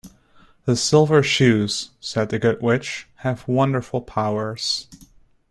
"The Silver Shoes," said the Good Witch, "have wonderful powers".